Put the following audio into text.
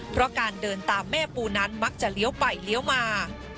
เพราะการเดินตามแม่ปูนั้นมักจะเลี้ยวไปเลี้ยวมา